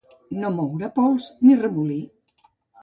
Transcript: No moure pols ni remolí.